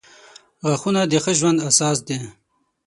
• غاښونه د ښه ژوند اساس دي.